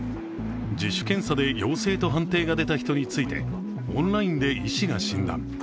自主検査で、陽性と判定が出た人についてオンラインで医師が診断。